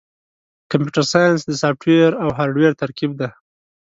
کمپیوټر ساینس د سافټویر او هارډویر ترکیب دی.